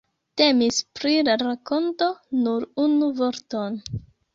Temis pri la rakonto Nur unu vorton!